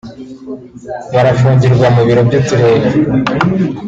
barafungirwa mubiro by’uturere